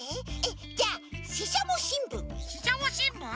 じゃあししゃもしんぶん。